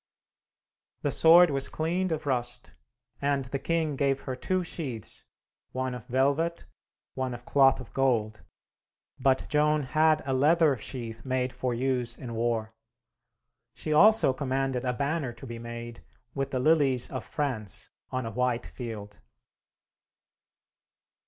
The sword was cleaned of rust, and the king gave her two sheaths, one of velvet, one of cloth of gold, but Joan had a leather sheath made for use in war. She also commanded a banner to be made, with the Lilies of France on a white field.